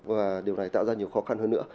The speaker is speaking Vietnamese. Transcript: và điều này tạo ra nhiều khó khăn hơn nữa